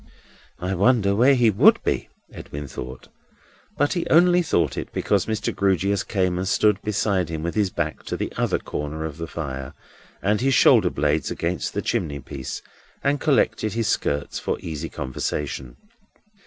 "I wonder where he would be!" Edwin thought. But he only thought it, because Mr. Grewgious came and stood himself with his back to the other corner of the fire, and his shoulder blades against the chimneypiece, and collected his skirts for easy conversation.